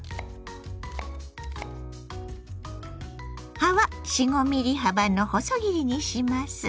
葉は４５ｍｍ幅の細切りにします。